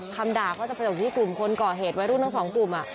คำด่าจะมาจากคลุมคนเกาะเหตุไว้รุ่นทั้ง๒กลุ่ม